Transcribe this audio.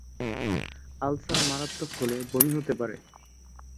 Ulcer মারাত্মক হলে বমি হতে পারে।